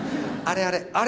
あれあれ。